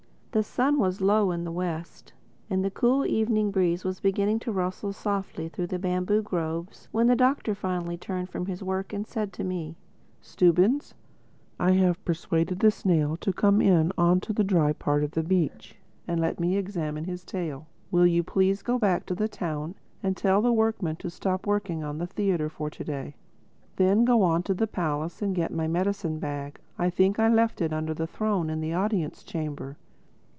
The sun was low in the West and the cool evening breeze was beginning to rustle softly through the bamboo groves when the Doctor finally turned from his work and said to me, "Stubbins, I have persuaded the snail to come in on to the dry part of the beach and let me examine his tail. Will you please go back to the town and tell the workmen to stop working on the theatre for to day? Then go on to the palace and get my medicine bag. I think I left it under the throne in the Audience Chamber."